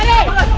ya ampun ya ampun